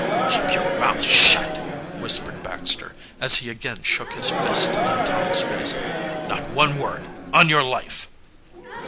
"Keep your mouth shut!" whispered Baxter, as he again shook his fist in Tom's face. "Not one word on your life!"